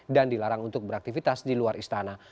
dan dilarang untuk beraktivitas di luar istana